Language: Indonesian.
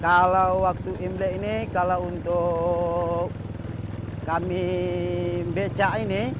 kalau waktu imlek ini kalau untuk kami becak ini